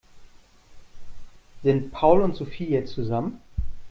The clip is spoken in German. Sind Paul und Sophie jetzt zusammen?